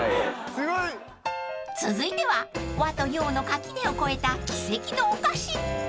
［続いては和と洋の垣根を越えた奇跡のお菓子］